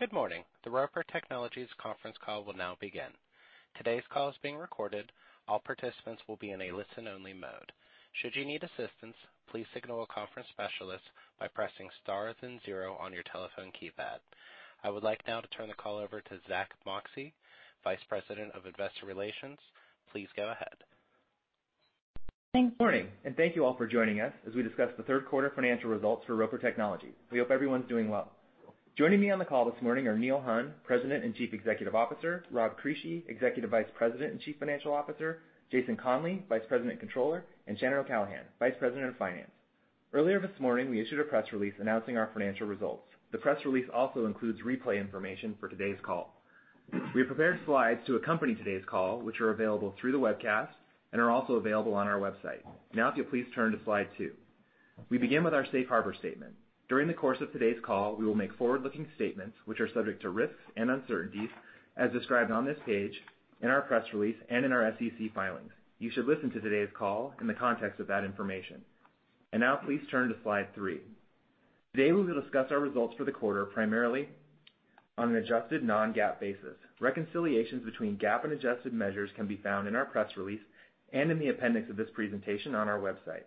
Good morning. The Roper Technologies conference call will now begin. Today's call is being recorded. All participants will be in a listen-only mode. Should you need assistance, please signal a conference specialist by pressing star, then zero on your telephone keypad. I would like now to turn the call over to Zack Moxcey, Vice President of Investor Relations. Please go ahead. Thank you. Good morning, and thank you all for joining us as we discuss the third quarter financial results for Roper Technologies. We hope everyone's doing well. Joining me on the call this morning are Neil Hunn, President and Chief Executive Officer, Rob Crisci, Executive Vice President and Chief Financial Officer, Jason Conley, Vice President Controller, and Shannon O'Callaghan, Vice President of Finance. Earlier this morning, we issued a press release announcing our financial results. The press release also includes replay information for today's call. We have prepared slides to accompany today's call, which are available through the webcast and are also available on our website. Now, if you'll please turn to slide two. We begin with our safe harbor statement. During the course of today's call, we will make forward-looking statements which are subject to risks and uncertainties as described on this page, in our press release, and in our SEC filings. You should listen to today's call in the context of that information. Now please turn to slide three. Today, we will discuss our results for the quarter, primarily on an adjusted non-GAAP basis. Reconciliations between GAAP and adjusted measures can be found in our press release and in the appendix of this presentation on our website.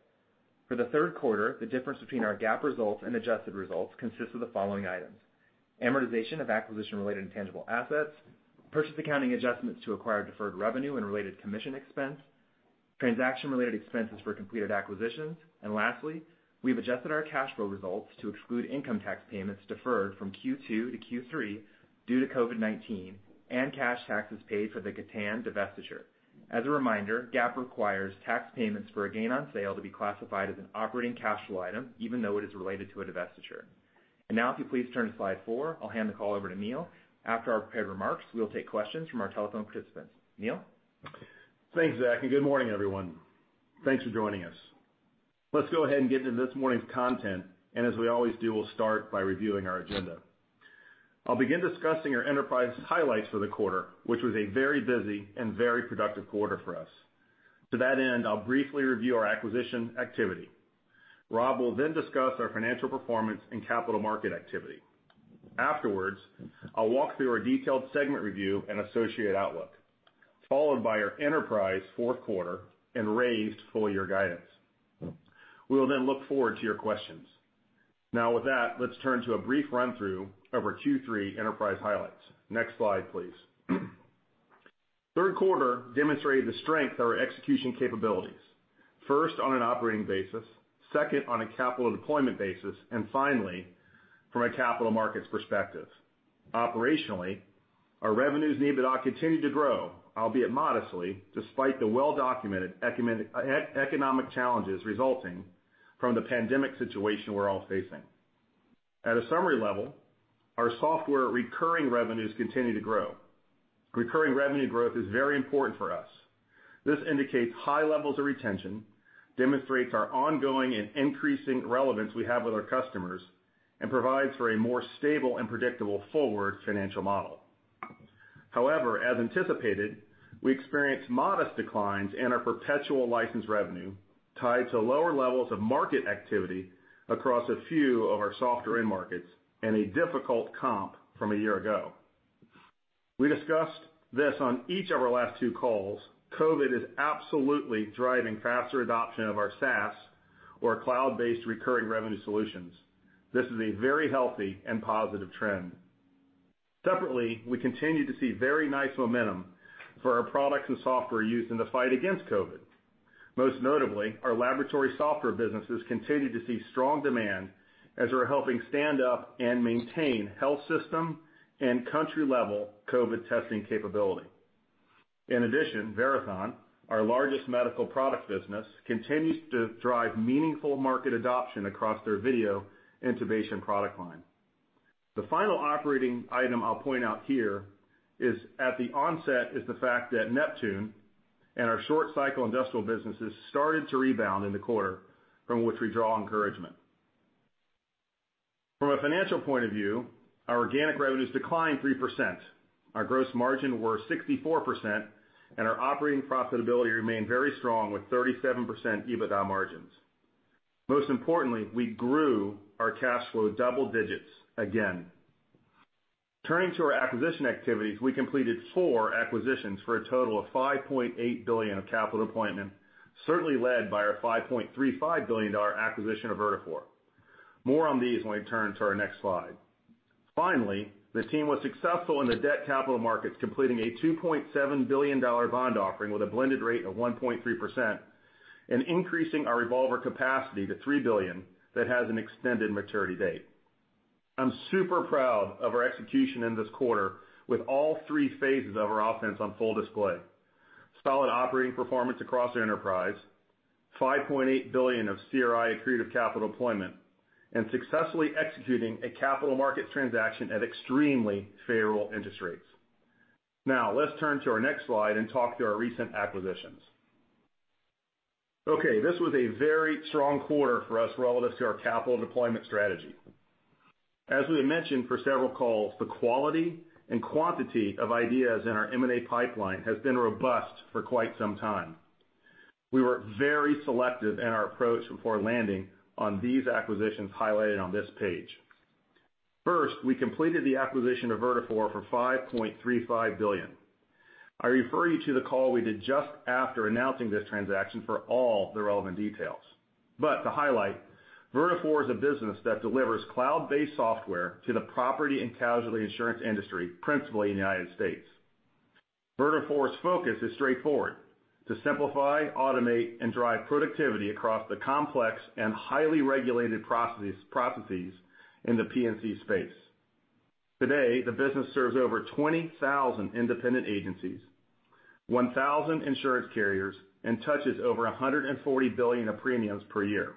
For the third quarter, the difference between our GAAP results and adjusted results consists of the following items: amortization of acquisition-related intangible assets, purchase accounting adjustments to acquire deferred revenue and related commission expense, transaction-related expenses for completed acquisitions, and lastly, we've adjusted our cash flow results to exclude income tax payments deferred from Q2 to Q3 due to COVID-19 and cash taxes paid for the Gatan divestiture. As a reminder, GAAP requires tax payments for a gain on sale to be classified as an operating cash flow item, even though it is related to a divestiture. Now, if you please turn to slide four, I'll hand the call over to Neil. After our prepared remarks, we will take questions from our telephone participants. Neil? Thanks, Zack, good morning, everyone. Thanks for joining us. Let's go ahead and get into this morning's content, and as we always do, we'll start by reviewing our agenda. I'll begin discussing our enterprise highlights for the quarter, which was a very busy and very productive quarter for us. To that end, I'll briefly review our acquisition activity. Rob will discuss our financial performance and capital market activity. Afterwards, I'll walk through our detailed segment review and associate outlook, followed by our enterprise fourth quarter and raised full-year guidance. We will look forward to your questions. With that, let's turn to a brief run-through of our Q3 enterprise highlights. Next slide, please. Third quarter demonstrated the strength of our execution capabilities, first on an operating basis, second on a capital deployment basis, and finally, from a capital markets perspective. Operationally, our revenues and EBITDA continued to grow, albeit modestly, despite the well-documented economic challenges resulting from the pandemic situation we're all facing. At a summary level, our software recurring revenues continue to grow. Recurring revenue growth is very important for us. This indicates high levels of retention, demonstrates our ongoing and increasing relevance we have with our customers, and provides for a more stable and predictable forward financial model. However, as anticipated, we experienced modest declines in our perpetual license revenue tied to lower levels of market activity across a few of our software end markets and a difficult comp from a year ago. We discussed this on each of our last two calls. COVID is absolutely driving faster adoption of our SaaS or cloud-based recurring revenue solutions. This is a very healthy and positive trend. Separately, we continue to see very nice momentum for our products and software used in the fight against COVID. Most notably, our laboratory software businesses continue to see strong demand as we're helping stand up and maintain health system and country-level COVID testing capability. In addition, Verathon, our largest medical product business, continues to drive meaningful market adoption across their video intubation product line. The final operating item I'll point out here is the fact that Neptune and our Short Cycle Industrial businesses started to rebound in the quarter, from which we draw encouragement. From a financial point of view, our organic revenues declined 3%. Our gross margin were 64%. Our operating profitability remained very strong with 37% EBITDA margins. Most importantly, we grew our cash flow double digits again. Turning to our acquisition activities, we completed four acquisitions for a total of $5.8 billion of capital deployment, certainly led by our $5.35 billion acquisition of Vertafore. More on these when we turn to our next slide. Finally, the team was successful in the debt capital markets, completing a $2.7 billion bond offering with a blended rate of 1.3% and increasing our revolver capacity to $3 billion that has an extended maturity date. I'm super proud of our execution in this quarter with all three phases of our offense on full display. Solid operating performance across the enterprise, $5.8 billion of CROI accretive capital deployment, and successfully executing a capital market transaction at extremely favorable interest rates. Let's turn to our next slide and talk through our recent acquisitions. This was a very strong quarter for us relative to our capital deployment strategy. As we have mentioned for several calls, the quality and quantity of ideas in our M&A pipeline has been robust for quite some time. We were very selective in our approach before landing on these acquisitions highlighted on this page. First, we completed the acquisition of Vertafore for $5.35 billion. I refer you to the call we did just after announcing this transaction for all the relevant details. To highlight, Vertafore is a business that delivers cloud-based software to the property and casualty insurance industry, principally in the United States. Vertafore's focus is straightforward, to simplify, automate, and drive productivity across the complex and highly regulated processes in the P&C space. Today, the business serves over 20,000 independent agencies, 1,000 insurance carriers, and touches over $140 billion of premiums per year.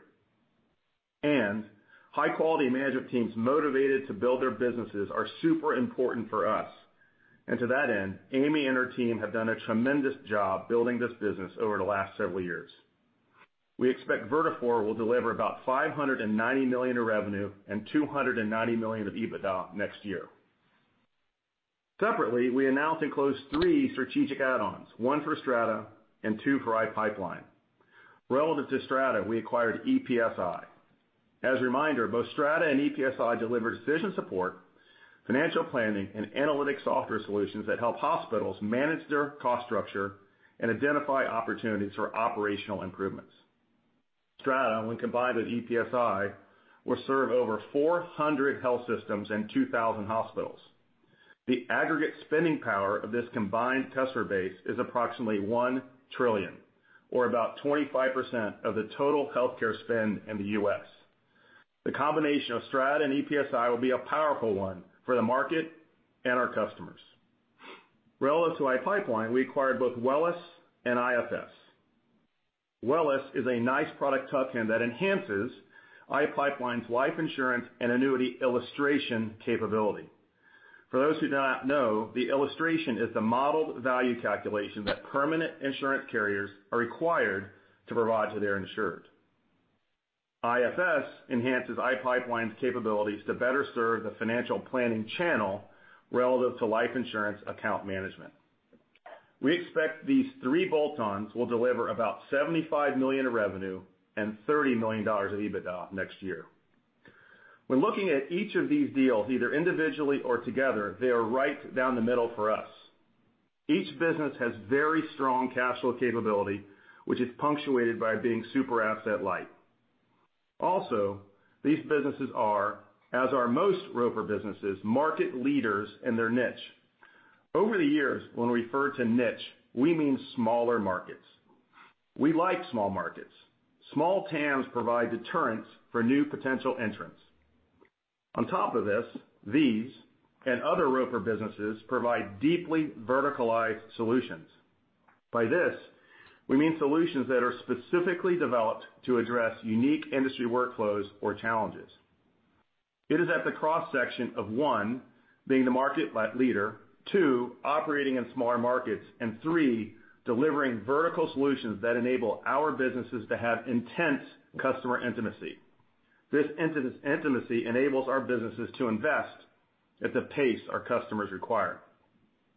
High-quality management teams motivated to build their businesses are super important for us. To that end, Amy and her team have done a tremendous job building this business over the last several years. We expect Vertafore will deliver about $590 million of revenue and $290 million of EBITDA next year. Separately, we announced and closed three strategic add-ons, one for Strata and two for iPipeline. Relative to Strata, we acquired EPSi. As a reminder, both Strata and EPSi deliver decision support, financial planning, and analytic software solutions that help hospitals manage their cost structure and identify opportunities for operational improvements. Strata, when combined with EPSi, will serve over 400 health systems and 2,000 hospitals. The aggregate spending power of this combined customer base is approximately $1 trillion, or about 25% of the total healthcare spend in the U.S. The combination of Strata and EPSi will be a powerful one for the market and our customers. Relative to iPipeline, we acquired both WELIS and IFS. WELIS is a nice product tuck-in that enhances iPipeline's life insurance and annuity illustration capability. For those who do not know, the illustration is the modeled value calculation that permanent insurance carriers are required to provide to their insured. IFS enhances iPipeline's capabilities to better serve the financial planning channel relative to life insurance account management. We expect these three bolt-ons will deliver about $75 million of revenue and $30 million of EBITDA next year. When looking at each of these deals, either individually or together, they are right down the middle for us. Each business has very strong cash flow capability, which is punctuated by being super asset light. Also, these businesses are, as are most Roper businesses, market leaders in their niche. Over the years, when we refer to niche, we mean smaller markets. We like small markets. Small TAMs provide deterrents for new potential entrants. On top of this, these and other Roper businesses provide deeply verticalized solutions. By this, we mean solutions that are specifically developed to address unique industry workflows or challenges. It is at the cross-section of, one, being the market leader, two, operating in smaller markets, and three, delivering vertical solutions that enable our businesses to have intense customer intimacy. This intimacy enables our businesses to invest at the pace our customers require.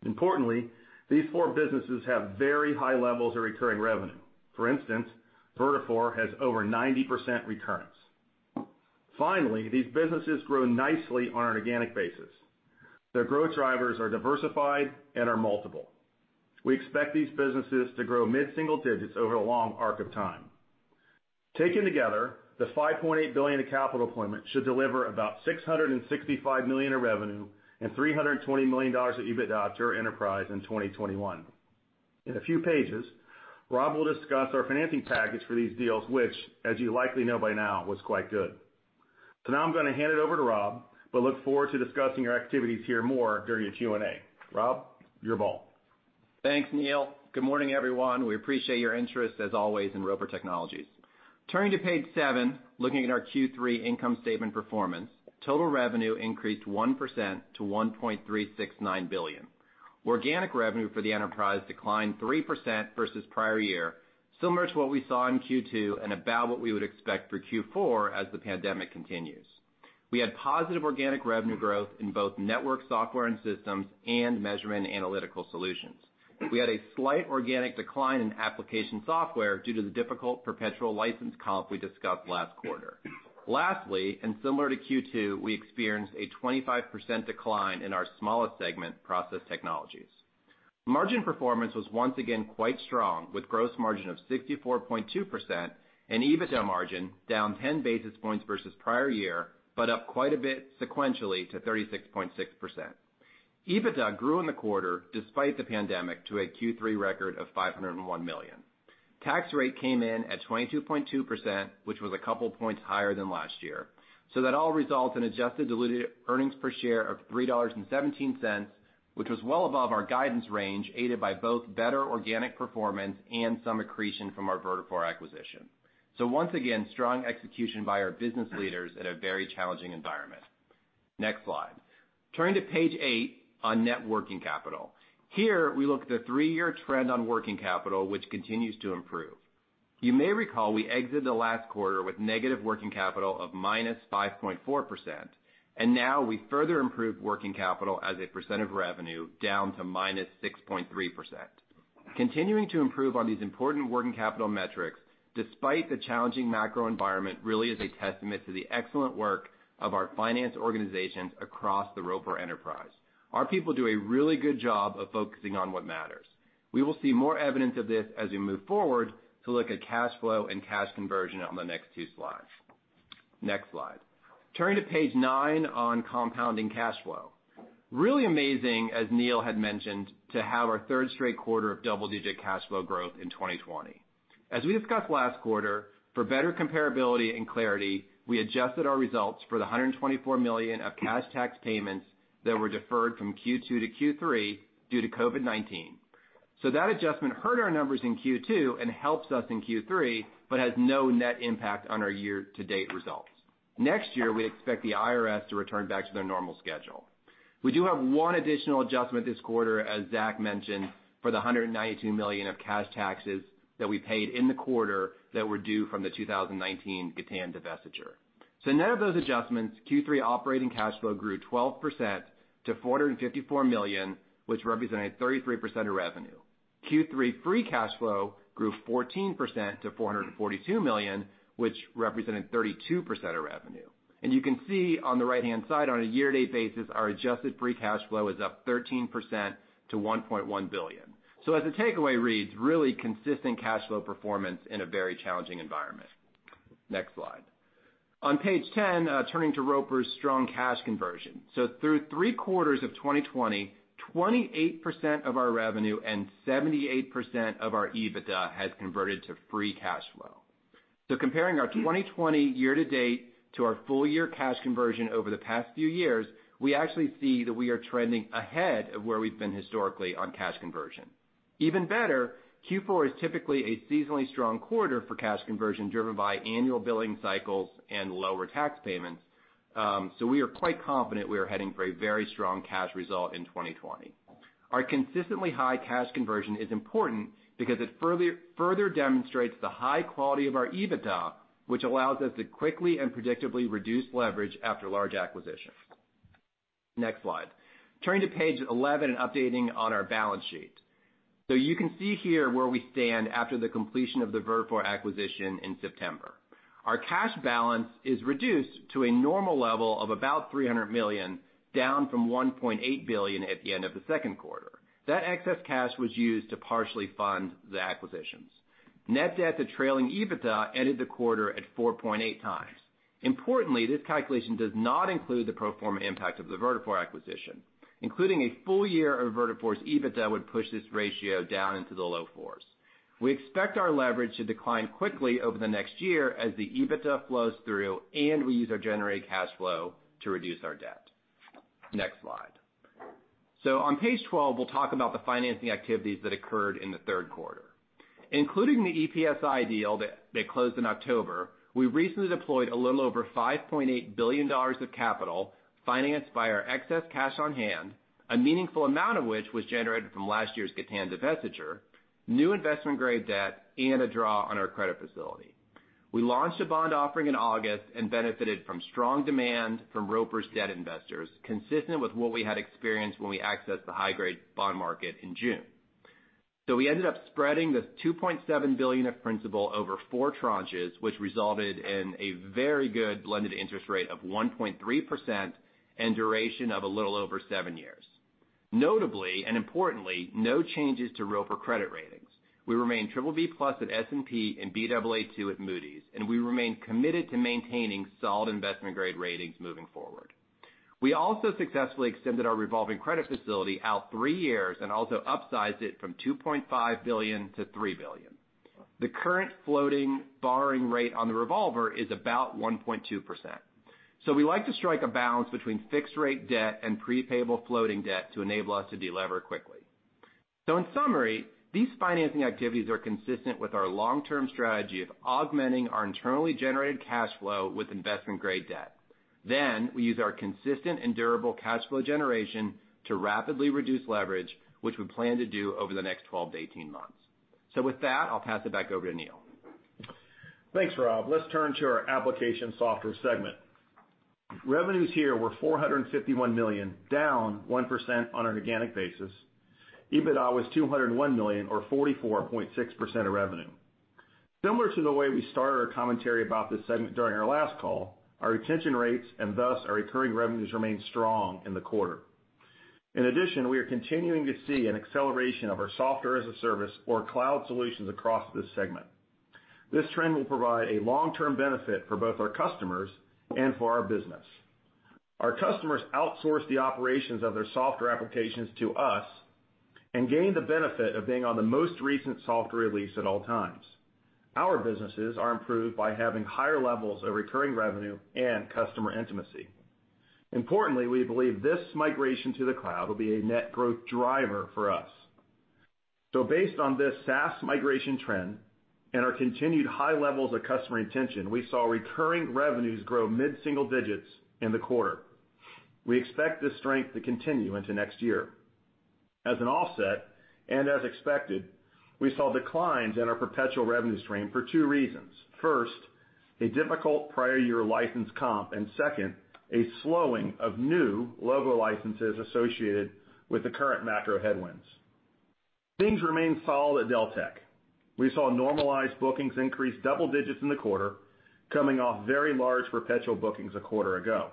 Importantly, these four businesses have very high levels of recurring revenue. For instance, Vertafore has over 90% recurrence. Finally, these businesses grow nicely on an organic basis. Their growth drivers are diversified and are multiple. We expect these businesses to grow mid-single digits over a long arc of time. Taken together, the $5.8 billion of capital deployment should deliver about $665 million of revenue and $320 million of EBITDA to our enterprise in 2021. In a few pages, Rob will discuss our financing package for these deals, which, as you likely know by now, was quite good. Now I'm going to hand it over to Rob, but look forward to discussing our activities here more during the Q&A. Rob, your ball. Thanks, Neil. Good morning, everyone. We appreciate your interest, as always, in Roper Technologies. Turning to page seven, looking at our Q3 income statement performance, total revenue increased 1% to $1.369 billion. Organic revenue for the enterprise declined 3% versus prior year, similar to what we saw in Q2 and about what we would expect for Q4 as the pandemic continues. We had positive organic revenue growth in both network software and systems and measurement analytical solutions. We had a slight organic decline in application software due to the difficult perpetual license comp we discussed last quarter. Lastly, similar to Q2, we experienced a 25% decline in our smallest segment, process technologies. Margin performance was once again quite strong, with gross margin of 64.2% and EBITDA margin down 10 basis points versus prior year, but up quite a bit sequentially to 36.6%. EBITDA grew in the quarter despite the pandemic to a Q3 record of $501 million. Tax rate came in at 22.2%, which was couple points higher than last year. That all results in adjusted diluted earnings per share of $3.17, which was well above our guidance range, aided by both better organic performance and some accretion from our Vertafore acquisition. Once again, strong execution by our business leaders in a very challenging environment. Next slide. Turning to page eight on net working capital. Here, we look at the three-year trend on working capital, which continues to improve. You may recall we exited the last quarter with negative working capital of -5.4%. Now we further improved working capital as a percent of revenue down to -6.3%. Continuing to improve on these important working capital metrics, despite the challenging macro environment, really is a testament to the excellent work of our finance organizations across the Roper enterprise. Our people do a really good job of focusing on what matters. We will see more evidence of this as we move forward to look at cash flow and cash conversion on the next two slides. Next slide. Turning to page nine on compounding cash flow. Really amazing, as Neil had mentioned, to have our third straight quarter of double-digit cash flow growth in 2020. As we discussed last quarter, for better comparability and clarity, we adjusted our results for the $124 million of cash tax payments that were deferred from Q2 to Q3 due to COVID-19. That adjustment hurt our numbers in Q2 and helps us in Q3, but has no net impact on our year-to-date results. Next year, we expect the IRS to return back to their normal schedule. We do have one additional adjustment this quarter, as Zack mentioned, for the $192 million of cash taxes that we paid in the quarter that were due from the 2019 Gatan divestiture. Net of those adjustments, Q3 operating cash flow grew 12% to $454 million, which represented 33% of revenue. Q3 free cash flow grew 14% to $442 million, which represented 32% of revenue. You can see on the right-hand side, on a year-to-date basis, our adjusted free cash flow is up 13% to $1.1 billion. As the takeaway reads, really consistent cash flow performance in a very challenging environment. Next slide. On page 10, turning to Roper's strong cash conversion. Through three quarters of 2020, 28% of our revenue and 78% of our EBITDA has converted to free cash flow. Comparing our 2020 year-to-date to our full-year cash conversion over the past few years, we actually see that we are trending ahead of where we've been historically on cash conversion. Even better, Q4 is typically a seasonally strong quarter for cash conversion, driven by annual billing cycles and lower tax payments. We are quite confident we are heading for a very strong cash result in 2020. Our consistently high cash conversion is important because it further demonstrates the high quality of our EBITDA, which allows us to quickly and predictably reduce leverage after large acquisitions. Next slide. Turning to page 11 and updating on our balance sheet. You can see here where we stand after the completion of the Vertafore acquisition in September. Our cash balance is reduced to a normal level of about $300 million, down from $1.8 billion at the end of the second quarter. That excess cash was used to partially fund the acquisitions. Net debt to trailing EBITDA ended the quarter at 4.8x. Importantly, this calculation does not include the pro forma impact of the Vertafore acquisition. Including a full year of Vertafore's EBITDA would push this ratio down into the low 4s. We expect our leverage to decline quickly over the next year as the EBITDA flows through and we use our generated cash flow to reduce our debt. Next slide. On page 12, we'll talk about the financing activities that occurred in the third quarter. Including the EPSi deal that closed in October, we recently deployed a little over $5.8 billion of capital financed by our excess cash on hand, a meaningful amount of which was generated from last year's Gatan divestiture, new investment-grade debt, and a draw on our credit facility. We launched a bond offering in August and benefited from strong demand from Roper's debt investors, consistent with what we had experienced when we accessed the high-grade bond market in June. We ended up spreading this $2.7 billion of principal over four tranches, which resulted in a very good blended interest rate of 1.3% and duration of a little over seven years. Notably, and importantly, no changes to Roper credit ratings. We remain BBB+ at S&P and Baa2 at Moody's, and we remain committed to maintaining solid investment-grade ratings moving forward. We also successfully extended our revolving credit facility out three years and also upsized it from $2.5 billion-$3 billion. The current floating borrowing rate on the revolver is about 1.2%. We like to strike a balance between fixed-rate debt and pre-payable floating debt to enable us to de-lever quickly. In summary, these financing activities are consistent with our long-term strategy of augmenting our internally generated cash flow with investment-grade debt. We use our consistent and durable cash flow generation to rapidly reduce leverage, which we plan to do over the next 12-18 months. With that, I'll pass it back over to Neil. Thanks, Rob. Let's turn to our application software segment. Revenues here were $451 million, down 1% on an organic basis. EBITDA was $201 million, or 44.6% of revenue. Similar to the way we started our commentary about this segment during our last call, our retention rates, and thus our recurring revenues, remained strong in the quarter. In addition, we are continuing to see an acceleration of our Software-as-a-Service or cloud solutions across this segment. This trend will provide a long-term benefit for both our customers and for our business. Our customers outsource the operations of their software applications to us and gain the benefit of being on the most recent software release at all times. Our businesses are improved by having higher levels of recurring revenue and customer intimacy. Importantly, we believe this migration to the cloud will be a net growth driver for us. Based on this SaaS migration trend and our continued high levels of customer retention, we saw recurring revenues grow mid-single digits in the quarter. We expect this strength to continue into next year. As an offset, and as expected, we saw declines in our perpetual revenue stream for two reasons. First, a difficult prior year license comp, and second, a slowing of new logo licenses associated with the current macro headwinds. Things remain solid at Deltek. We saw normalized bookings increase double digits in the quarter, coming off very large perpetual bookings a quarter ago.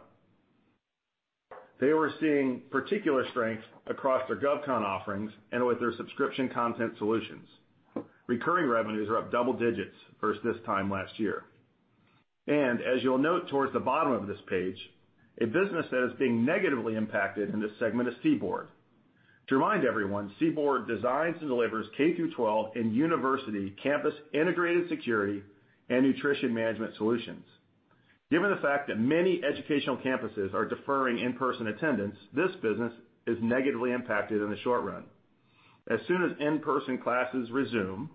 They were seeing particular strength across their GovCon offerings and with their subscription content solutions. Recurring revenues are up double digits versus this time last year. As you'll note towards the bottom of this page, a business that is being negatively impacted in this segment is CBORD. To remind everyone, CBORD designs and delivers K-12 and university campus integrated security and nutrition management solutions. Given the fact that many educational campuses are deferring in-person attendance, this business is negatively impacted in the short run. As soon as in-person classes resume,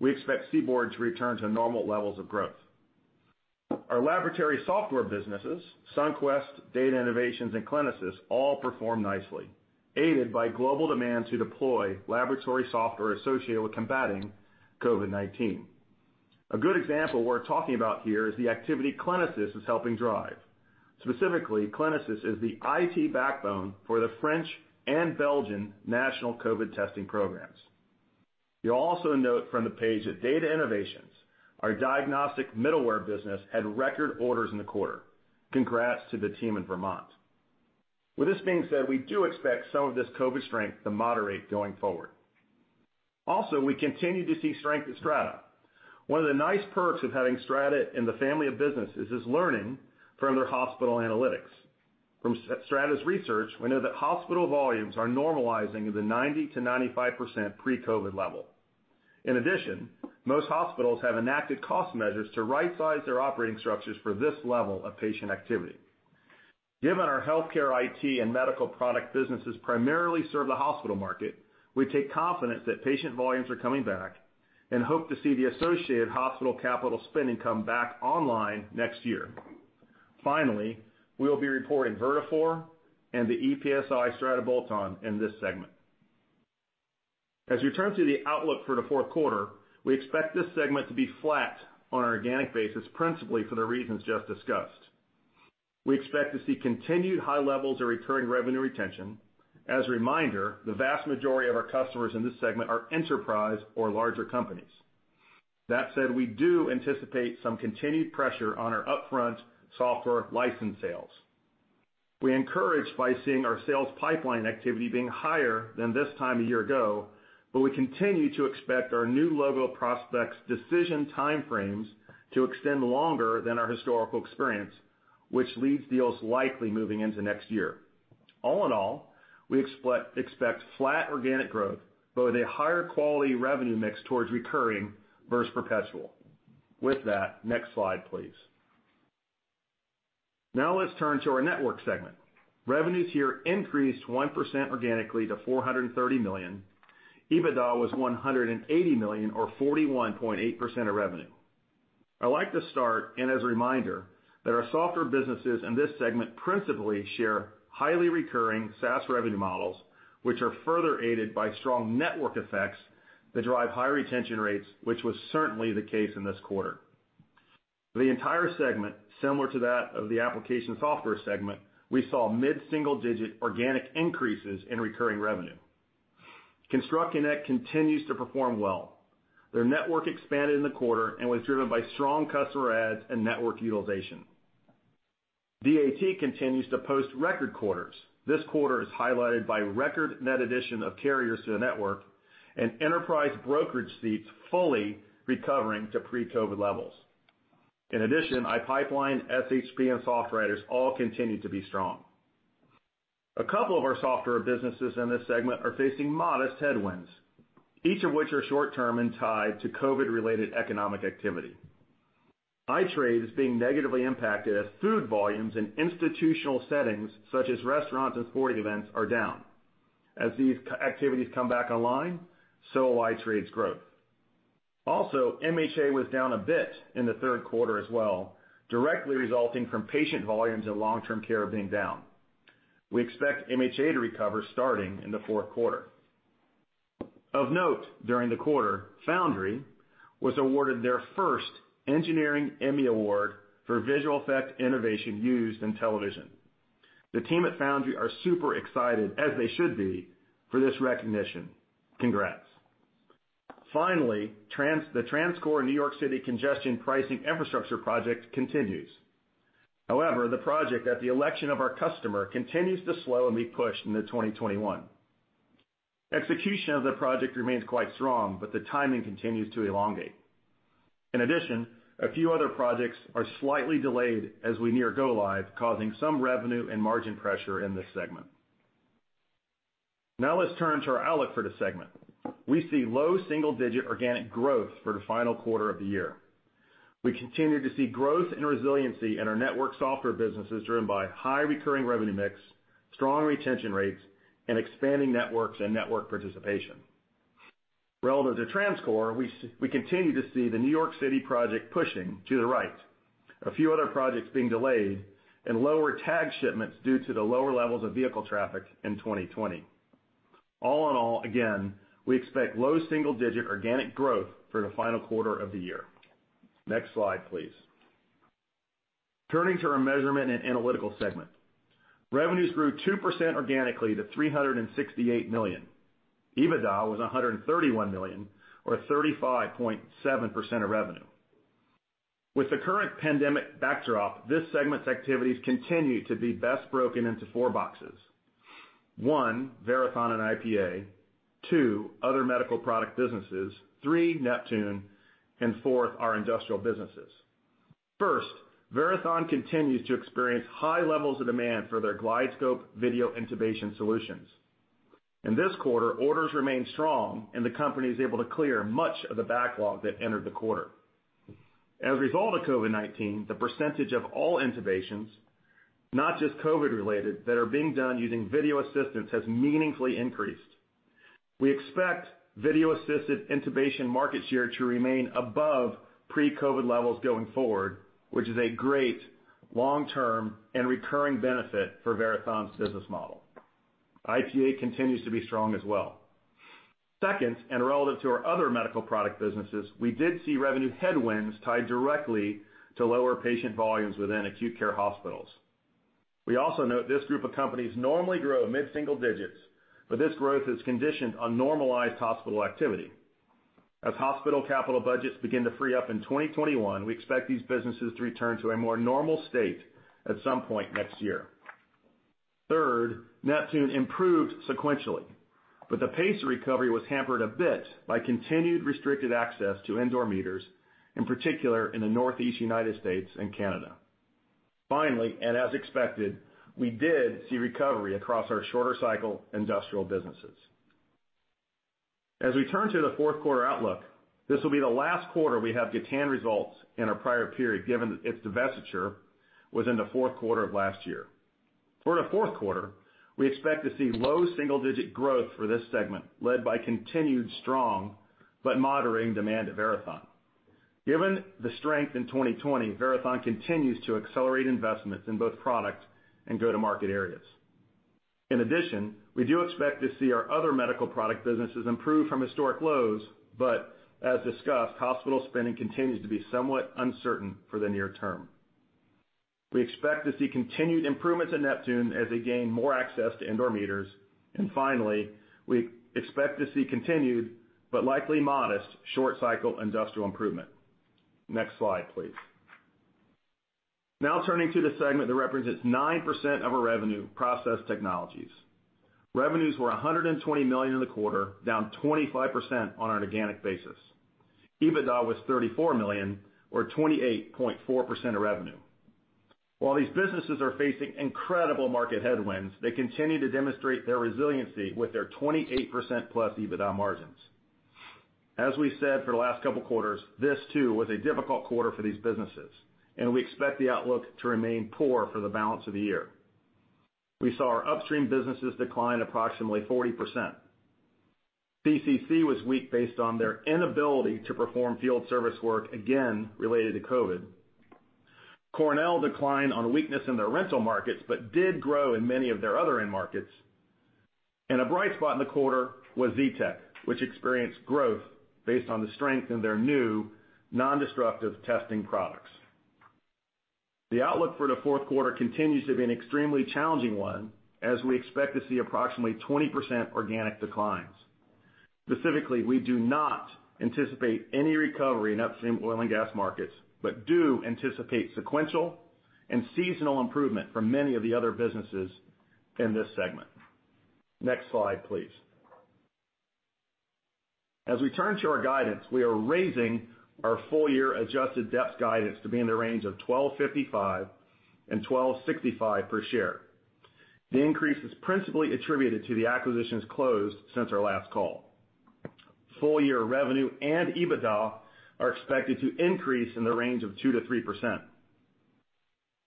we expect CBORD to return to normal levels of growth. Our laboratory software businesses, Sunquest, Data Innovations, and CliniSys, all perform nicely, aided by global demand to deploy laboratory software associated with combating COVID-19. A good example we're talking about here is the activity CliniSys is helping drive. Specifically, CliniSys is the IT backbone for the French and Belgian national COVID testing programs. You'll also note from the page that Data Innovations, our diagnostic middleware business, had record orders in the quarter. Congrats to the team in Vermont. With this being said, we do expect some of this COVID strength to moderate going forward. Also, we continue to see strength at Strata. One of the nice perks of having Strata in the family of businesses is learning from their hospital analytics. From Strata's research, we know that hospital volumes are normalizing in the 90%-95% pre-COVID level. In addition, most hospitals have enacted cost measures to right size their operating structures for this level of patient activity. Given our healthcare IT and medical product businesses primarily serve the hospital market, we take confidence that patient volumes are coming back and hope to see the associated hospital capital spending come back online next year. Finally, we'll be reporting Vertafore and the EPSi Strata bolt-on in this segment. As we turn to the outlook for the fourth quarter, we expect this segment to be flat on an organic basis, principally for the reasons just discussed. We expect to see continued high levels of recurring revenue retention. As a reminder, the vast majority of our customers in this segment are enterprise or larger companies. We do anticipate some continued pressure on our upfront software license sales. We're encouraged by seeing our sales pipeline activity being higher than this time a year ago, but we continue to expect our new logo prospects' decision time frames to extend longer than our historical experience, which leads deals likely moving into next year. All in all, we expect flat organic growth, but with a higher quality revenue mix towards recurring versus perpetual. Next slide, please. Let's turn to our network segment. Revenues here increased 1% organically to $430 million. EBITDA was $180 million, or 41.8% of revenue. I'd like to start, as a reminder, that our software businesses in this segment principally share highly recurring SaaS revenue models, which are further aided by strong network effects that drive high retention rates, which was certainly the case in this quarter. For the entire segment, similar to that of the application software segment, we saw mid-single-digit organic increases in recurring revenue. ConstructConnect continues to perform well. Their network expanded in the quarter and was driven by strong customer adds and network utilization. DAT continues to post record quarters. This quarter is highlighted by record net addition of carriers to the network and enterprise brokerage seats fully recovering to pre-COVID levels. In addition, iPipeline, SHP, and SoftWriters all continue to be strong. A couple of our software businesses in this segment are facing modest headwinds, each of which are short-term and tied to COVID-related economic activity. iTrade is being negatively impacted as food volumes in institutional settings, such as restaurants and sporting events, are down. As these activities come back online, so will iTrade's growth. Also, MHA was down a bit in the third quarter as well, directly resulting from patient volumes in long-term care being down. We expect MHA to recover starting in the fourth quarter. Of note, during the quarter, Foundry was awarded their first Engineering Emmy Award for visual effect innovation used in television. The team at Foundry are super excited, as they should be, for this recognition. Congrats. Finally, the TransCore New York City congestion pricing infrastructure project continues. However, the project, at the election of our customer, continues to slow and be pushed into 2021. Execution of the project remains quite strong, but the timing continues to elongate. In addition, a few other projects are slightly delayed as we near go-live, causing some revenue and margin pressure in this segment. Let's turn to our outlook for the segment. We see low single-digit organic growth for the final quarter of the year. We continue to see growth and resiliency in our network software businesses driven by high recurring revenue mix, strong retention rates, and expanding networks and network participation. Relative to TransCore, we continue to see the New York City project pushing to the right, a few other projects being delayed, and lower tag shipments due to the lower levels of vehicle traffic in 2020. Again, we expect low single-digit organic growth for the final quarter of the year. Next slide, please. Turning to our measurement and analytical segment. Revenues grew 2% organically to $368 million. EBITDA was $131 million or 35.7% of revenue. With the current pandemic backdrop, this segment's activities continue to be best broken into four boxes. One, Verathon and IPA. Two, other medical product businesses. Three, Neptune, and fourth, our industrial businesses. First, Verathon continues to experience high levels of demand for their GlideScope video intubation solutions. In this quarter, orders remain strong and the company is able to clear much of the backlog that entered the quarter. As a result of COVID-19, the percentage of all intubations, not just COVID related, that are being done using video assistance has meaningfully increased. We expect video-assisted intubation market share to remain above pre-COVID levels going forward, which is a great long-term and recurring benefit for Verathon's business model. IPA continues to be strong as well. Second, relative to our other medical product businesses, we did see revenue headwinds tied directly to lower patient volumes within acute care hospitals. We also note this group of companies normally grow mid-single digits, but this growth is conditioned on normalized hospital activity. As hospital capital budgets begin to free up in 2021, we expect these businesses to return to a more normal state at some point next year. Third, Neptune improved sequentially, but the pace of recovery was hampered a bit by continued restricted access to indoor meters, in particular in the Northeast United States and Canada. Finally, as expected, we did see recovery across our shorter cycle industrial businesses. As we turn to the fourth quarter outlook, this will be the last quarter we have Gatan results in our prior period, given its divestiture within the fourth quarter of last year. For the fourth quarter, we expect to see low double-digit growth for this segment led by continued strong but moderating demand at Verathon. Given the strength in 2020, Verathon continues to accelerate investments in both product and go-to-market areas. In addition, we do expect to see our other medical product businesses improve from historic lows. As discussed, hospital spending continues to be somewhat uncertain for the near term. We expect to see continued improvements in Neptune as they gain more access to indoor meters. Finally, we expect to see continued but likely modest short cycle industrial improvement. Next slide, please. Turning to the segment that represents 9% of our revenue, process technologies. Revenues were $120 million in the quarter, down 25% on an organic basis. EBITDA was $34 million or 28.4% of revenue. While these businesses are facing incredible market headwinds, they continue to demonstrate their resiliency with their 28%+ EBITDA margins. As we said for the last couple of quarters, this too was a difficult quarter for these businesses, and we expect the outlook to remain poor for the balance of the year. We saw our upstream businesses decline approximately 40%. CCC was weak based on their inability to perform field service work, again, related to COVID. Cornell declined on weakness in their rental markets, but did grow in many of their other end markets. A bright spot in the quarter was Zetec, which experienced growth based on the strength in their new non-destructive testing products. The outlook for the fourth quarter continues to be an extremely challenging one, as we expect to see approximately 20% organic declines. Specifically, we do not anticipate any recovery in upstream oil and gas markets, but do anticipate sequential and seasonal improvement from many of the other businesses in this segment. Next slide, please. As we turn to our guidance, we are raising our full year adjusted debt guidance to be in the range of $12.55-$12.65 per share. The increase is principally attributed to the acquisitions closed since our last call. Full year revenue and EBITDA are expected to increase in the range of 2%-3%.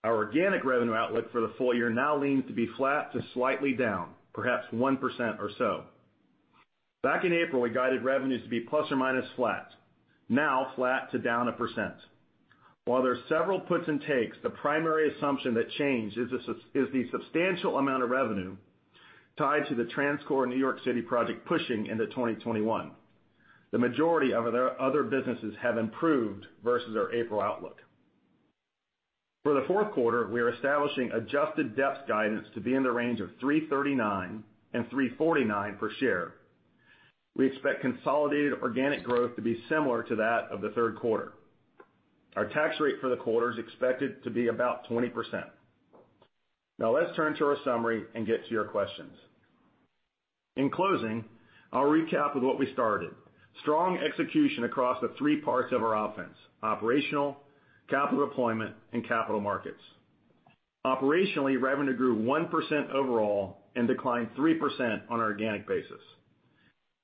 Our organic revenue outlook for the full year now leans to be flat to slightly down, perhaps 1% or so. Back in April, we guided revenues to be plus or minus flat. Now, flat to down 1%. While there are several puts and takes, the primary assumption that changed is the substantial amount of revenue tied to the TransCore New York City project pushing into 2021. The majority of their other businesses have improved versus our April outlook. For the fourth quarter, we are establishing adjusted debt guidance to be in the range of $3.39 and $3.49 per share. We expect consolidated organic growth to be similar to that of the third quarter. Our tax rate for the quarter is expected to be about 20%. Let's turn to our summary and get to your questions. In closing, I'll recap with what we started. Strong execution across the three parts of our offense, operational, capital deployment, and capital markets. Operationally, revenue grew 1% overall and declined 3% on an organic basis.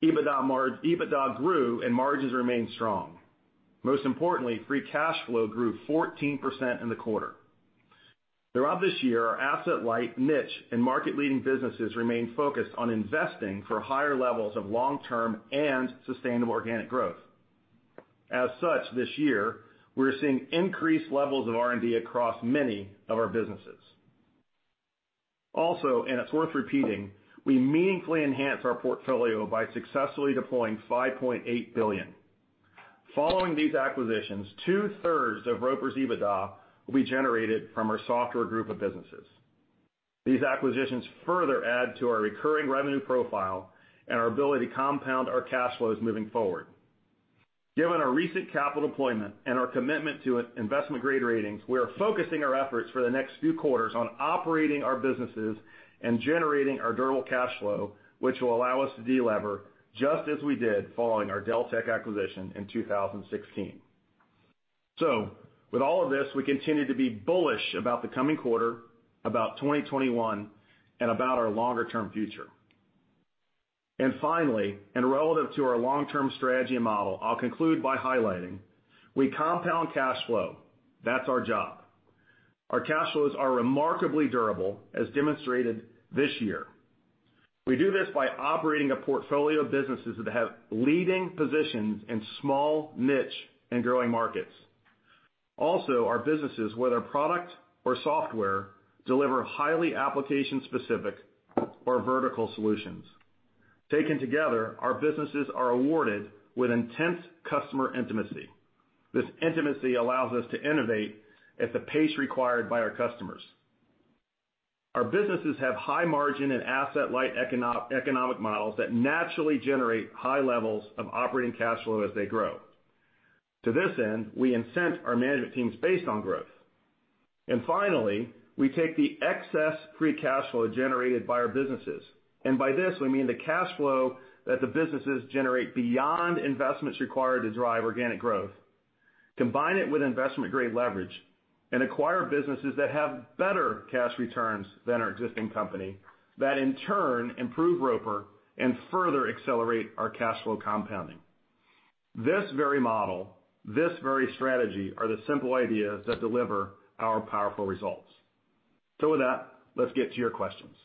EBITDA grew and margins remained strong. Most importantly, free cash flow grew 14% in the quarter. Throughout this year, our asset light, niche and market leading businesses remain focused on investing for higher levels of long-term and sustainable organic growth. As such, this year, we're seeing increased levels of R&D across many of our businesses. Also, it's worth repeating, we meaningfully enhanced our portfolio by successfully deploying $5.8 billion. Following these acquisitions, 2/3 of Roper's EBITDA will be generated from our software group of businesses. These acquisitions further add to our recurring revenue profile and our ability to compound our cash flows moving forward. Given our recent capital deployment and our commitment to investment-grade ratings, we are focusing our efforts for the next few quarters on operating our businesses and generating our durable cash flow, which will allow us to de-lever just as we did following our Deltek acquisition in 2016. With all of this, we continue to be bullish about the coming quarter, about 2021, and about our longer-term future. Finally, and relative to our long-term strategy and model, I'll conclude by highlighting, we compound cash flow. That's our job. Our cash flows are remarkably durable, as demonstrated this year. We do this by operating a portfolio of businesses that have leading positions in small niche and growing markets. Also, our businesses, whether product or software, deliver highly application-specific or vertical solutions. Taken together, our businesses are awarded with intense customer intimacy. This intimacy allows us to innovate at the pace required by our customers. Our businesses have high margin and asset-light economic models that naturally generate high levels of operating cash flow as they grow. To this end, we incent our management teams based on growth. Finally, we take the excess free cash flow generated by our businesses, and by this, we mean the cash flow that the businesses generate beyond investments required to drive organic growth, combine it with investment-grade leverage, and acquire businesses that have better cash returns than our existing company, that in turn improve Roper and further accelerate our cash flow compounding. This very model, this very strategy, are the simple ideas that deliver our powerful results. With that, let's get to your questions.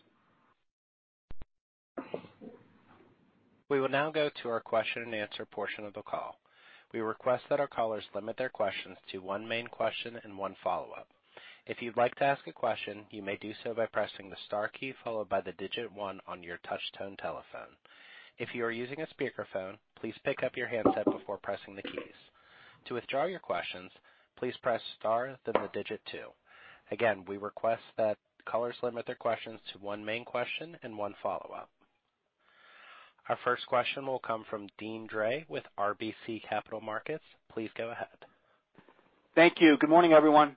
We will now go to our question and answer portion of the call. We request that our callers limit their questions to one main question and one follow-up. If you'd like to ask a question, you may do so by pressing the star key followed by the digit one on your touch-tone telephone. If you are using a speakerphone, please pick up your handset before pressing the keys. To withdraw your questions, please press star, then the digit two. Again, we request that callers limit their questions to one main question and one follow-up. Our first question will come from Deane Dray with RBC Capital Markets. Please go ahead. Thank you. Good morning, everyone.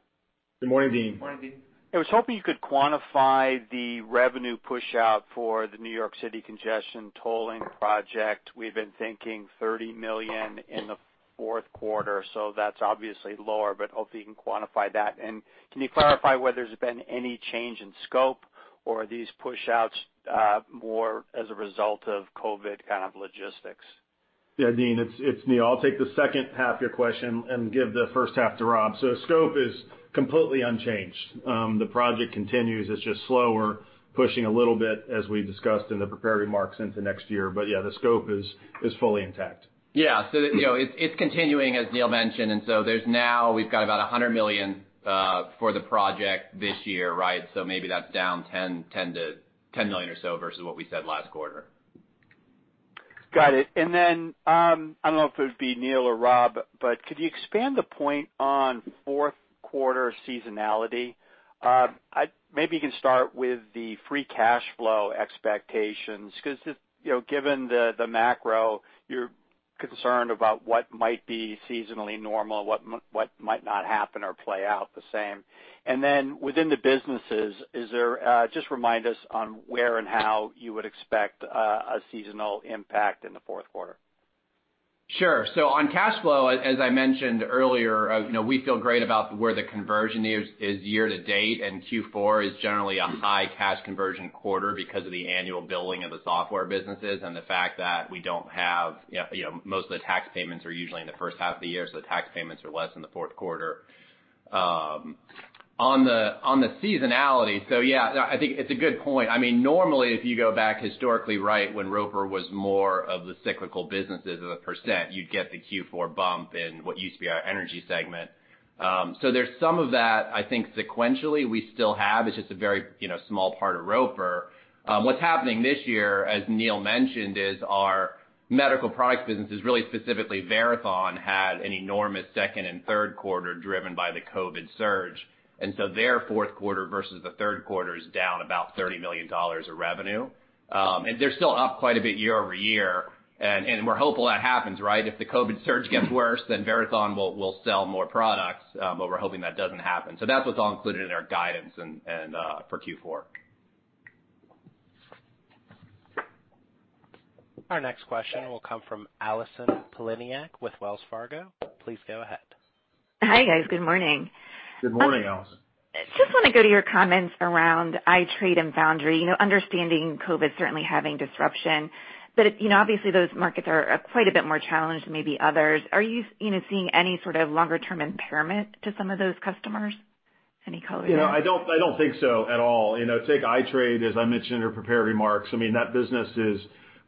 Good morning, Deane. Good morning, Deane. I was hoping you could quantify the revenue push-out for the New York City congestion tolling project. We've been thinking $30 million in the fourth quarter. That's obviously lower, hopefully you can quantify that. Can you clarify whether there's been any change in scope, or are these push-outs more as a result of COVID kind of logistics? Yeah, Deane, it's Neil. I'll take the second half of your question and give the first half to Rob. The scope is completely unchanged. The project continues. It's just slower, pushing a little bit, as we discussed in the prepared remarks, into next year. Yeah, the scope is fully intact. Yeah. It's continuing, as Neil mentioned, there's now we've got about $100 million for the project this year, right? Maybe that's down $10 million or so versus what we said last quarter. Got it. I don't know if it would be Neil or Rob, but could you expand the point on fourth quarter seasonality? Maybe you can start with the free cash flow expectations, because given the macro, you're concerned about what might be seasonally normal, what might not happen or play out the same. Then within the businesses, just remind us on where and how you would expect a seasonal impact in the fourth quarter. Sure. On cash flow, as I mentioned earlier, we feel great about where the conversion is year to date, and Q4 is generally a high cash conversion quarter because of the annual billing of the software businesses and the fact that we don't have most of the tax payments are usually in the first half of the year, so the tax payments are less in the fourth quarter. On the seasonality, yeah, I think it's a good point. Normally, if you go back historically, when Roper was more of the cyclical businesses as a percent, you'd get the Q4 bump in what used to be our energy segment. There's some of that I think sequentially we still have. It's just a very small part of Roper. What's happening this year, as Neil mentioned, is our medical product business is really specifically Verathon had an enormous second and third quarter driven by the COVID surge. Their fourth quarter versus the third quarter is down about $30 million of revenue. They're still up quite a bit year-over-year, and we're hopeful that happens. If the COVID surge gets worse, then Verathon will sell more products, but we're hoping that doesn't happen. That's what's all included in our guidance for Q4. Our next question will come from Allison Poliniak with Wells Fargo. Please go ahead. Hi, guys. Good morning. Good morning, Allison. Just want to go to your comments around iTrade and Foundry. Understanding COVID certainly having disruption, obviously those markets are quite a bit more challenged than maybe others. Are you seeing any sort of longer-term impairment to some of those customers? I don't think so at all. Take iTrade, as I mentioned in our prepared remarks, that business is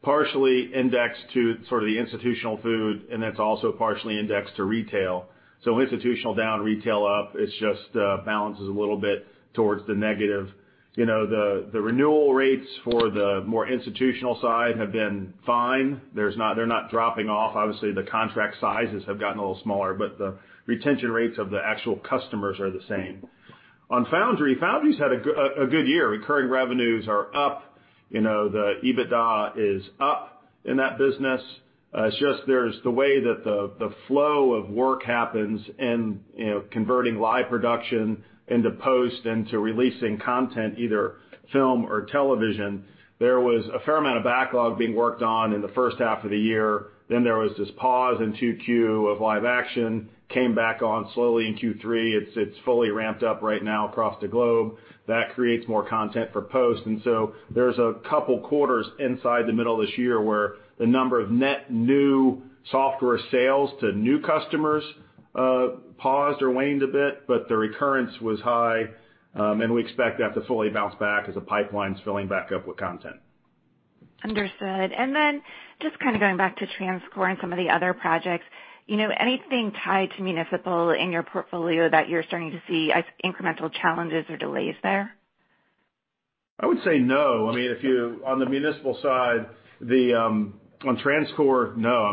partially indexed to the institutional food, and that's also partially indexed to retail. Institutional down, retail up, it just balances a little bit towards the negative. The renewal rates for the more institutional side have been fine. They're not dropping off. Obviously, the contract sizes have gotten a little smaller, but the retention rates of the actual customers are the same. On Foundry's had a good year. Recurring revenues are up. The EBITDA is up in that business. It's just there's the way that the flow of work happens in converting live production into post and to releasing content, either film or television. There was a fair amount of backlog being worked on in the first half of the year. There was this pause in Q2 of live action, came back on slowly in Q3. It's fully ramped up right now across the globe. That creates more content for post. There's a couple quarters inside the middle of this year where the number of net new software sales to new customers paused or waned a bit, but the recurrence was high, and we expect that to fully bounce back as the pipeline's filling back up with content. Understood. Then just kind of going back to TransCore and some of the other projects, anything tied to municipal in your portfolio that you're starting to see incremental challenges or delays there? I would say no. On the municipal side, on TransCore, no.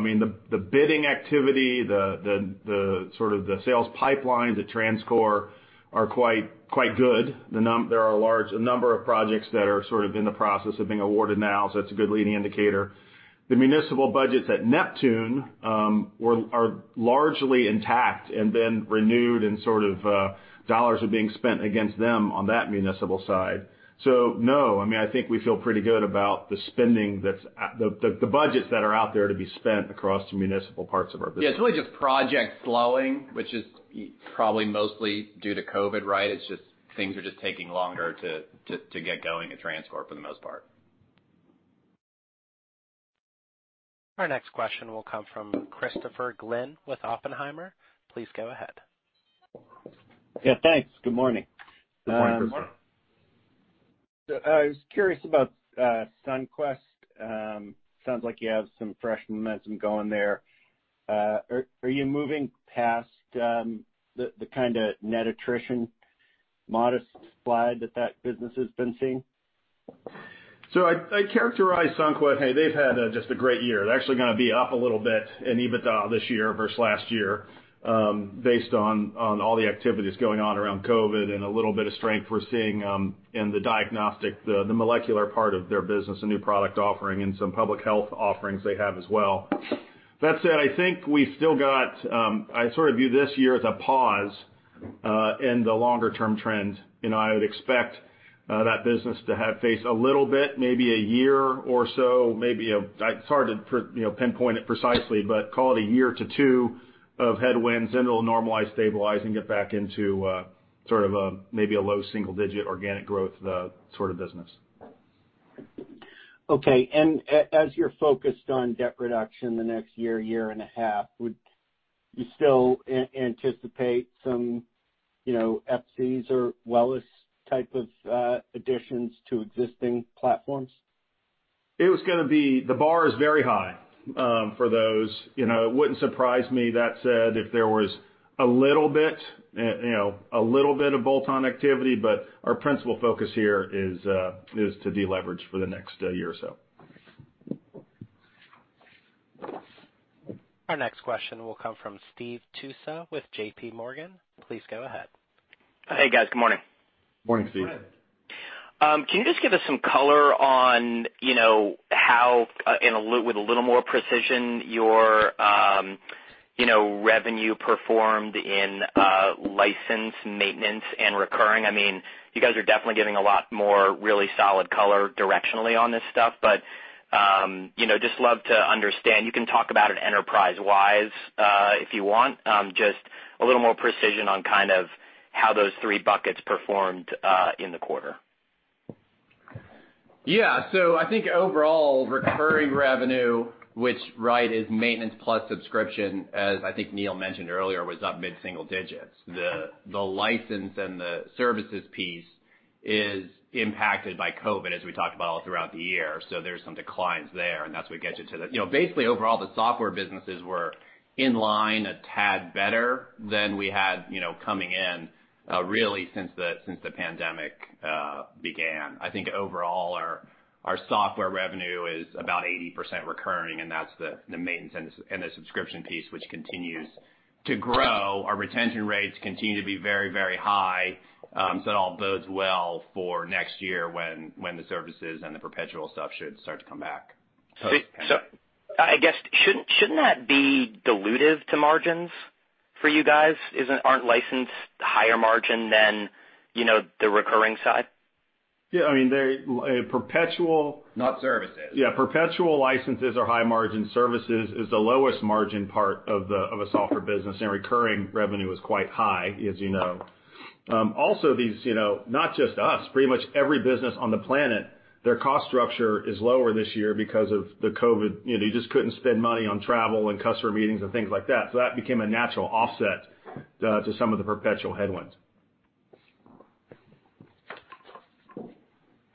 The bidding activity, the sales pipeline to TransCore are quite good. There are a number of projects that are in the process of being awarded now. That's a good leading indicator. The municipal budgets at Neptune are largely intact and been renewed. Dollars are being spent against them on that municipal side. No, I think we feel pretty good about the budgets that are out there to be spent across the municipal parts of our business. Yeah, it's really just projects slowing, which is probably mostly due to COVID, right? It's just things are just taking longer to get going at TransCore for the most part. Our next question will come from Christopher Glynn with Oppenheimer. Please go ahead. Yeah, thanks. Good morning. Good morning. Good morning. I was curious about Sunquest. Sounds like you have some fresh momentum going there. Are you moving past the kind of net attrition, modest slide that that business has been seeing? I'd characterize Sunquest, hey, they've had just a great year. They're actually gonna be up a little bit in EBITDA this year versus last year, based on all the activities going on around COVID and a little bit of strength we're seeing in the diagnostic, the molecular part of their business, a new product offering, and some public health offerings they have as well. That said, I sort of view this year as a pause in the longer-term trend, and I would expect that business to have face a little bit, maybe a year or so. It's hard to pinpoint it precisely, but call it a year to two of headwinds, then it'll normalize, stabilize, and get back into sort of maybe a low single-digit organic growth sort of business. Okay, as you're focused on debt reduction in the next year and a half, would you still anticipate some EPSi or WELIS type of additions to existing platforms? The bar is very high for those. It wouldn't surprise me, that said, if there was a little bit of bolt-on activity, but our principal focus here is to deleverage for the next year or so. Our next question will come from Steve Tusa with JPMorgan. Please go ahead. Hey, guys. Good morning. Morning, Steve. Morning. Can you just give us some color on how, with a little more precision, your revenue performed in license, maintenance, and recurring? You guys are definitely giving a lot more really solid color directionally on this stuff, but just love to understand. You can talk about it enterprise-wise, if you want, just a little more precision on kind of how those three buckets performed in the quarter. I think overall recurring revenue, which, right, is maintenance plus subscription, as I think Neil mentioned earlier, was up mid-single digits. The license and the services piece is impacted by COVID, as we talked about all throughout the year. There's some declines there, and that's what gets you basically, overall, the software businesses were in line a tad better than we had coming in really since the pandemic began. I think overall our software revenue is about 80% recurring, and that's the maintenance and the subscription piece, which continues to grow. Our retention rates continue to be very high. It all bodes well for next year when the services and the perpetual stuff should start to come back post-pandemic. I guess, shouldn't that be dilutive to margins for you guys? Aren't licensed higher margin than the recurring side? Yeah. Not services. Yeah. Perpetual licenses are high margin. Services is the lowest margin part of a software business, and recurring revenue is quite high, as you know. These, not just us, pretty much every business on the planet, their cost structure is lower this year because of the COVID. You just couldn't spend money on travel and customer meetings and things like that. That became a natural offset to some of the perpetual headwinds.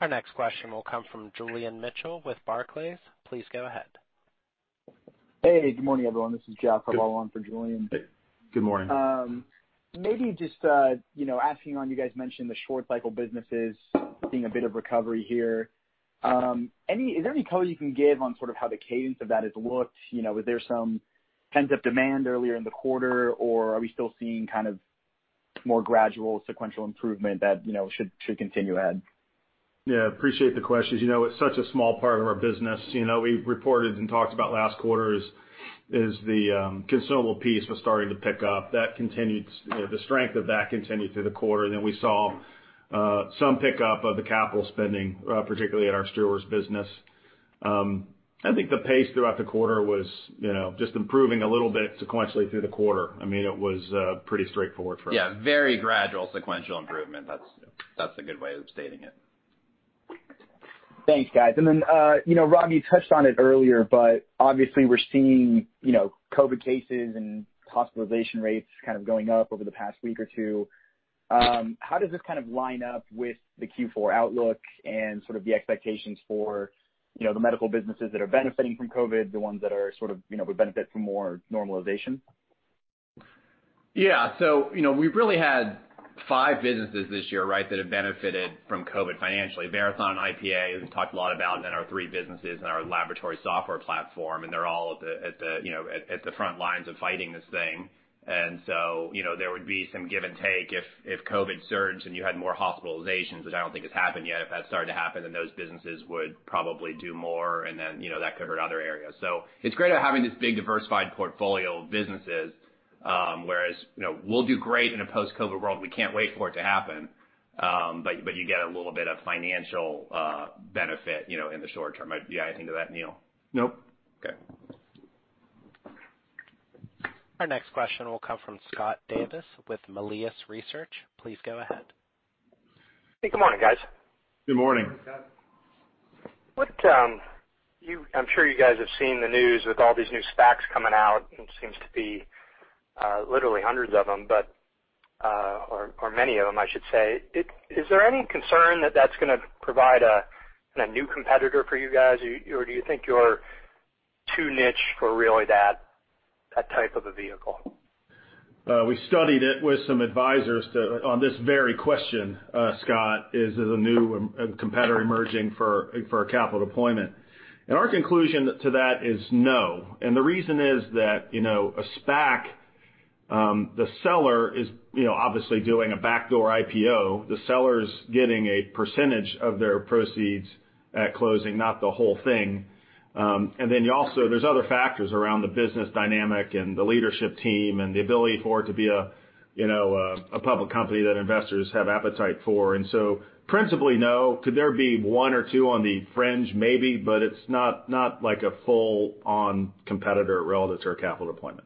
Our next question will come from Julian Mitchell with Barclays. Please go ahead. Hey, good morning, everyone. This is Jeff Hou in for Julian. Good morning. Maybe just asking on, you guys mentioned the short cycle businesses seeing a bit of recovery here. Is there any color you can give on how the cadence of that has looked? Was there some pent-up demand earlier in the quarter, or are we still seeing more gradual sequential improvement that should continue ahead? Appreciate the questions. It's such a small part of our business. We reported and talked about last quarter is the consumable piece was starting to pick up. The strength of that continued through the quarter. We saw some pickup of the capital spending, particularly at our Struers business. I think the pace throughout the quarter was just improving a little bit sequentially through the quarter. It was pretty straightforward for us. Yeah, very gradual sequential improvement. That's a good way of stating it. Thanks, guys. Rob, you touched on it earlier, but obviously we're seeing COVID cases and hospitalization rates kind of going up over the past week or two. How does this kind of line up with the Q4 outlook and sort of the expectations for the medical businesses that are benefiting from COVID, the ones that would benefit from more normalization? We've really had five businesses this year that have benefited from COVID financially. Verathon, IPA, as we talked a lot about, and our three businesses in our laboratory software platform, they're all at the front lines of fighting this thing. There would be some give and take if COVID surged and you had more hospitalizations, which I don't think has happened yet. If that started to happen, those businesses would probably do more, that could hurt other areas. It's great at having this big diversified portfolio of businesses, whereas we'll do great in a post-COVID world. We can't wait for it to happen. You get a little bit of financial benefit in the short term. Do you have anything to add, Neil? Nope. Okay. Our next question will come from Scott Davis with Melius Research. Please go ahead. Hey, good morning, guys. Good morning. Good morning, Scott. I'm sure you guys have seen the news with all these new SPACs coming out, and it seems to be literally hundreds of them, or many of them, I should say. Is there any concern that that's gonna provide a new competitor for you guys? Or do you think you're too niche for really that type of a vehicle? We studied it with some advisors on this very question, Scott, is there's a new competitor emerging for our capital deployment. Our conclusion to that is no. The reason is that a SPAC, the seller is obviously doing a backdoor IPO. The seller's getting a percentage of their proceeds at closing, not the whole thing. Then also, there's other factors around the business dynamic and the leadership team and the ability for it to be a public company that investors have appetite for. Principally, no. Could there be one or two on the fringe? Maybe, but it's not like a full-on competitor relative to our capital deployment.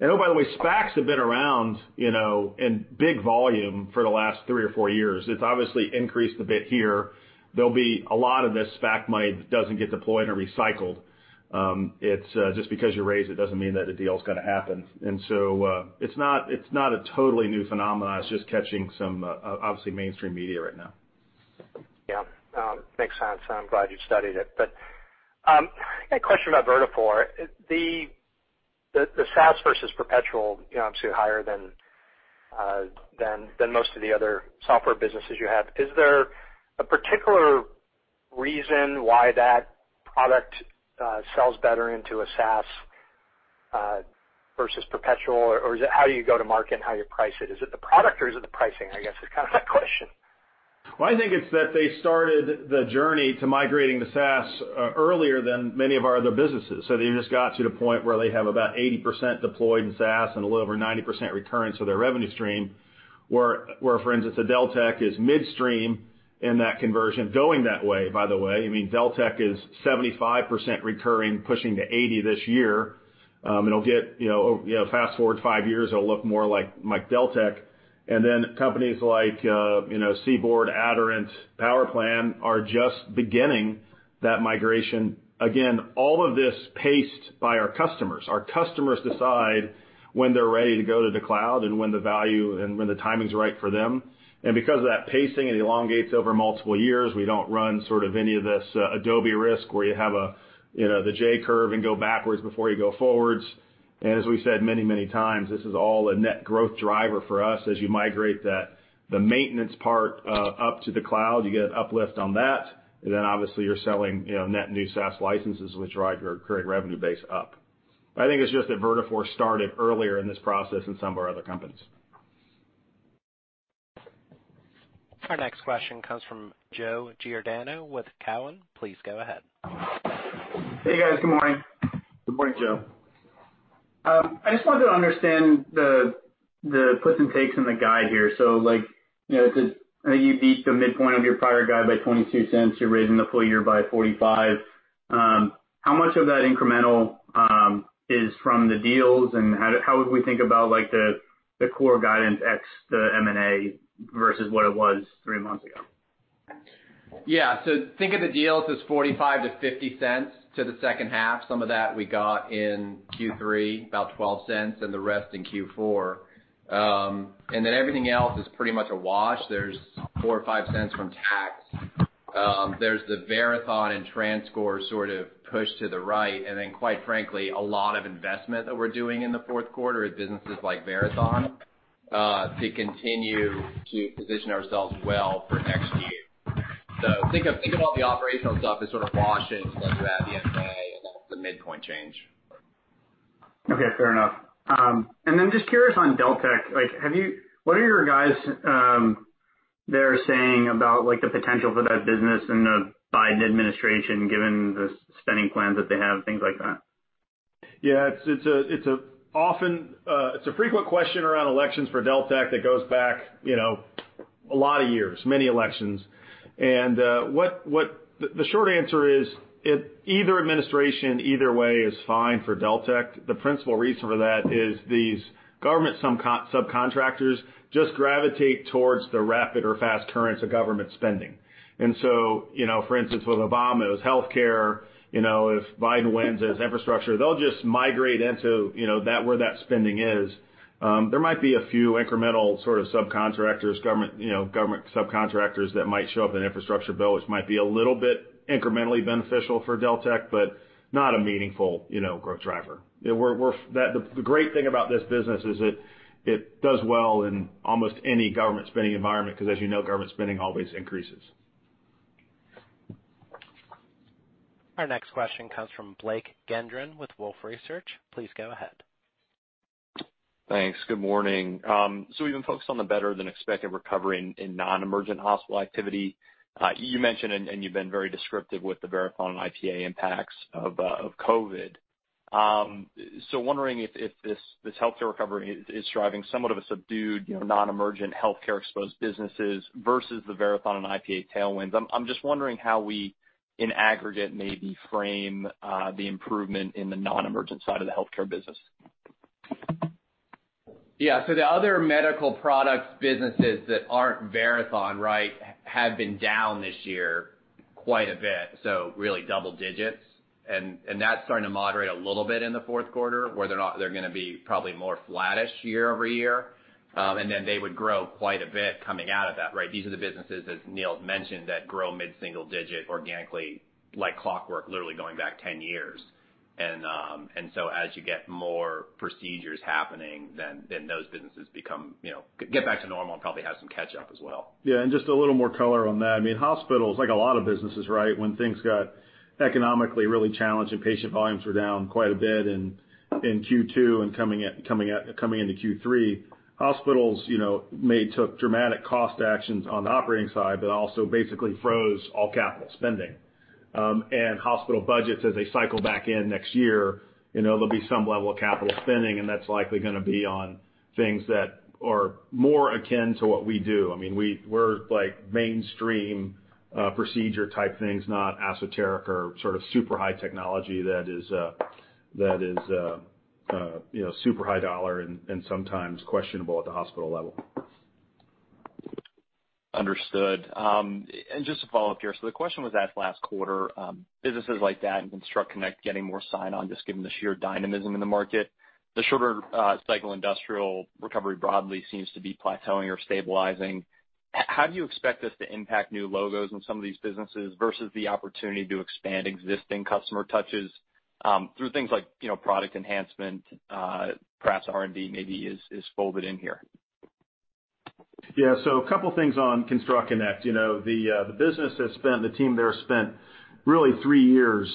Oh, by the way, SPACs have been around in big volume for the last three or four years. It's obviously increased a bit here. There'll be a lot of this SPAC money that doesn't get deployed or recycled. Just because you raise it doesn't mean that a deal's gonna happen. It's not a totally new phenomenon. It's just catching some obviously mainstream media right now. Yeah. Makes sense. I'm glad you studied it. I had a question about Vertafore. The SaaS versus perpetual, obviously higher than most of the other software businesses you have. Is there a particular reason why that product sells better into a SaaS versus perpetual, or is it how you go to market and how you price it? Is it the product or is it the pricing, I guess, is kind of the question? I think it's that they started the journey to migrating to SaaS earlier than many of our other businesses. They just got to the point where they have about 80% deployed in SaaS and a little over 90% recurrence of their revenue stream. Where for instance, Deltek is midstream in that conversion, going that way, by the way. Deltek is 75% recurring, pushing to 80% this year. It'll get, fast-forward five years, it'll look more like Deltek. Companies like CBORD, Aderant, PowerPlan are just beginning that migration. Again, all of this paced by our customers. Our customers decide when they're ready to go to the cloud and when the timing's right for them. Because of that pacing, it elongates over multiple years. We don't run sort of any of this Adobe risk where you have the J curve and go backwards before you go forwards. As we said many times, this is all a net growth driver for us. As you migrate the maintenance part up to the cloud, you get an uplift on that. Obviously you're selling net new SaaS licenses, which drive your current revenue base up. I think it's just that Vertafore started earlier in this process than some of our other companies. Our next question comes from Joe Giordano with Cowen. Please go ahead. Hey, guys. Good morning. Good morning, Joe. I just wanted to understand the puts and takes in the guide here. Like, I know you beat the midpoint of your prior guide by $0.22. You're raising the full year by $0.45. How much of that incremental is from the deals, and how would we think about the core guidance ex the M&A versus what it was three months ago? Yeah. Think of the deals as $0.45-$0.50 to the second half. Some of that we got in Q3, about $0.12, and the rest in Q4. Everything else is pretty much a wash. There's $0.04 or $0.05 from tax. There's the Verathon and TransCore sort of push to the right, and then quite frankly, a lot of investment that we're doing in the fourth quarter at businesses like Verathon, to continue to position ourselves well for next year. Think of all the operational stuff as sort of washing what you had yesterday and then the midpoint change. Okay, fair enough. I'm just curious on Deltek. What are your guys there saying about the potential for that business and the Biden administration, given the spending plans that they have, things like that? Yeah, it's a frequent question around elections for Deltek that goes back a lot of years, many elections. The short answer is, either administration, either way is fine for Deltek. The principal reason for that is these government subcontractors just gravitate towards the rapid or fast currents of government spending. For instance, with Obama, it was healthcare. If Biden wins, it's infrastructure. They'll just migrate into where that spending is. There might be a few incremental subcontractors, government subcontractors that might show up in infrastructure bills, which might be a little bit incrementally beneficial for Deltek, but not a meaningful growth driver. The great thing about this business is it does well in almost any government spending environment, because as you know, government spending always increases. Our next question comes from Blake Gendron with Wolfe Research. Please go ahead. Thanks. Good morning. We've been focused on the better than expected recovery in non-emergent hospital activity. You mentioned, and you've been very descriptive with the Verathon and IPA impacts of COVID. Wondering if this healthcare recovery is driving somewhat of a subdued, non-emergent healthcare exposed businesses versus the Verathon and IPA tailwinds. I'm just wondering how we, in aggregate, maybe frame the improvement in the non-emergent side of the healthcare business. Yeah. The other medical products businesses that aren't Verathon have been down this year quite a bit, really double digits. That's starting to moderate a little bit in the fourth quarter, where they're going to be probably more flattish year-over-year. They would grow quite a bit coming out of that. These are the businesses, as Neil's mentioned, that grow mid-single digit organically like clockwork, literally going back 10 years. As you get more procedures happening, then those businesses get back to normal and probably have some catch-up as well. Yeah, just a little more color on that. Hospitals, like a lot of businesses, when things got economically really challenged and patient volumes were down quite a bit in Q2 and coming into Q3, hospitals may took dramatic cost actions on the operating side, but also basically froze all capital spending. Hospital budgets, as they cycle back in next year, there'll be some level of capital spending, and that's likely gonna be on things that are more akin to what we do. We're mainstream procedure type things, not esoteric or sort of super high technology that is super high dollar and sometimes questionable at the hospital level. Understood. Just to follow up here, so the question was asked last quarter, businesses like that and ConstructConnect getting more sign-on just given the sheer dynamism in the market. The shorter cycle industrial recovery broadly seems to be plateauing or stabilizing. How do you expect this to impact new logos in some of these businesses versus the opportunity to expand existing customer touches through things like product enhancement, perhaps R&D maybe is folded in here? A couple of things on ConstructConnect. The business has spent, the team there spent really three years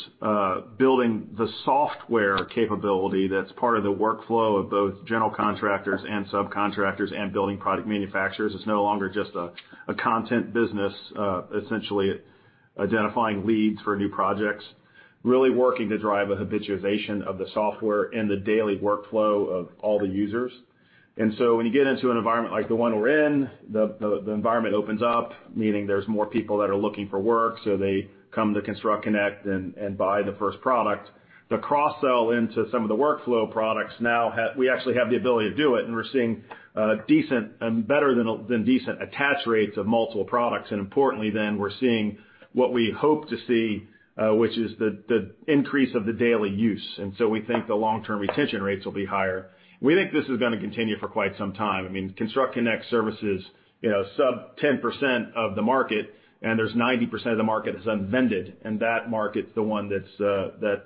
building the software capability that's part of the workflow of both general contractors and subcontractors and building product manufacturers. It's no longer just a content business, essentially identifying leads for new projects. Really working to drive a habituation of the software in the daily workflow of all the users. When you get into an environment like the one we're in, the environment opens up, meaning there's more people that are looking for work, so they come to ConstructConnect and buy the first product. The cross-sell into some of the workflow products now, we actually have the ability to do it, and we're seeing decent and better than decent attach rates of multiple products. We're seeing what we hope to see, which is the increase of the daily use. We think the long-term retention rates will be higher. We think this is gonna continue for quite some time. ConstructConnect services sub 10% of the market, and there's 90% of the market that's unvended, and that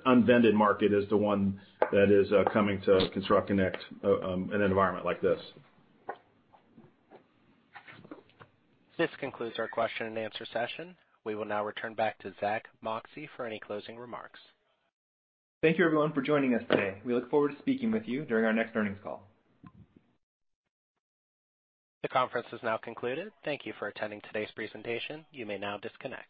unvended market is the one that is coming to ConstructConnect in an environment like this. This concludes our question and answer session. We will now return back to Zack Moxcey for any closing remarks. Thank you everyone for joining us today. We look forward to speaking with you during our next earnings call. The conference is now concluded. Thank you for attending today's presentation. You may now disconnect.